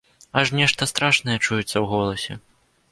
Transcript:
Аж нешта страшнае чуецца ў голасе.